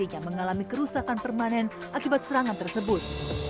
mata kirinya mengalami kerusakan permanen akibat serangan tersebut